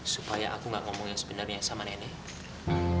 supaya aku gak ngomong yang sebenarnya sama nenek